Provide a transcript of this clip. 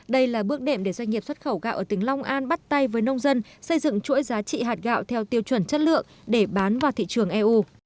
đây là bước đệm để doanh nghiệp xuất khẩu gạo ở tỉnh long an bắt tay với nông dân xây dựng chuỗi giá trị hạt gạo theo tiêu chuẩn chất lượng để bán vào thị trường eu